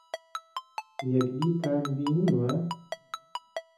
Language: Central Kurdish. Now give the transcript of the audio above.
یەکدیتان بینیوە؟